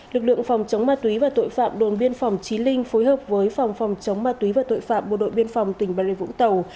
lực lượng phòng chống ma túy và tội phạm đồn biên phòng trí linh phối hợp với phòng phòng chống ma túy và tội phạm bộ đội biên phòng tỉnh bà rịa vũng tàu